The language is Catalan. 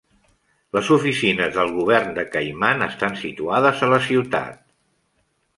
Les oficines del govern de Caiman estan situades a la ciutat.